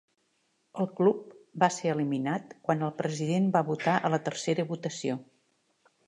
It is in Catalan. El club va ser eliminat quan el president va votar a la tercera votació.